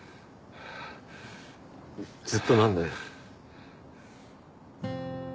ずっと何だよ？